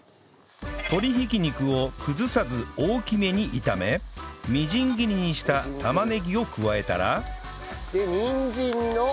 鶏挽き肉を崩さず大きめに炒めみじん切りにした玉ねぎを加えたらでにんじんの。